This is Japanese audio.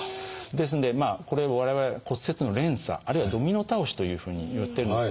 ですのでこれを我々は骨折の連鎖あるいはドミノ倒しというふうに言ってるんですが。